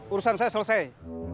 urusan saya selesai